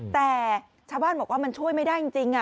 แต่ชาวบ้านบอกว่ามันช่วยไม่ได้จริง